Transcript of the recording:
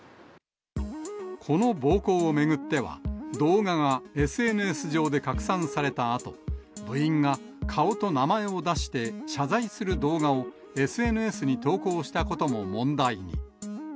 この暴行を巡っては、動画がＳＮＳ上で拡散されたあと、部員が顔と名前を出して謝罪する動画をＳＮＳに投稿したことも問題に。